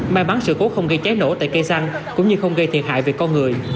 may mắn sự cố không gây cháy nổ tại cây xăng cũng như không gây thiệt hại về con người